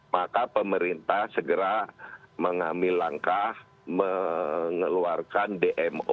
maka pemerintah segera mengambil langkah mengeluarkan dmo